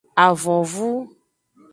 Avonvu.